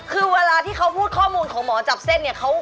คือเวลาที่เขาพูดข้อมูลของหมอจับเส้นเนี่ย